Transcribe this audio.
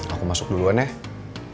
aku masuk duluan ya